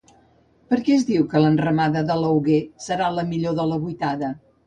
Per què es diu que l'enramada de l'Auguer serà la millor de la vuitada?